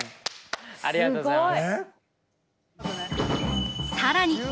ありがとうございます。